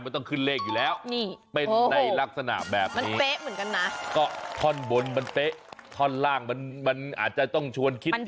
มันเป๊ะเหมือนกันนะก็ท่อนบนมันเป๊ะท่อนล่างมันอาจจะต้องชวนคิด